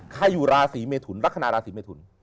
ขยุราศรีเมทุนลักษณะราศรีเมทุน